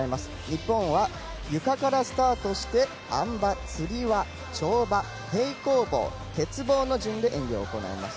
日本はゆかからスタートしてあん馬、つり輪跳馬、平行棒、鉄棒の順に演技を行います。